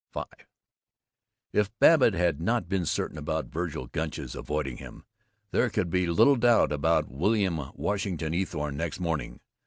V If Babbitt had not been certain about Vergil Gunch's avoiding him, there could be little doubt about William Washington Eathorne, next morning.